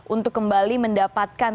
untuk kembali mendapatkan